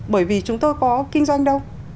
bởi vì chúng tôi có kinh doanh đâu